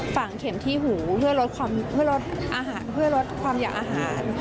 ฝังเข็มที่หูเพื่อลดอาหารเพื่อลดความอยากอาหาร